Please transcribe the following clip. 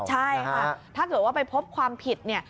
ใช่ค่ะถ้าเกิดว่าไปพบความผิดเนี่ย